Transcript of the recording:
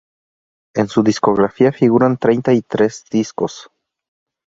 En su discografía figuran treinta y tres discos.